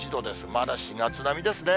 まだ４月並みですね。